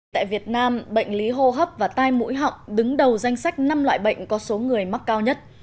tại việt nam bệnh lý hô hấp và tai mũi họng đứng đầu danh sách năm loại bệnh có số người mắc cao nhất